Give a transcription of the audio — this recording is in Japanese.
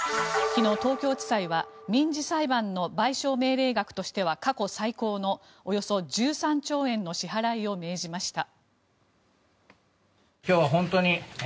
昨日、東京地裁は民事裁判の賠償命令額としては過去最高のおよそ１３兆円の支払いを命じました。